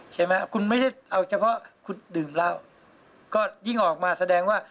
ใช่ไหมคุณไม่ได้เอาเฉพาะคุณดื่มเหล้าก็ยิ่งออกมาแสดงว่า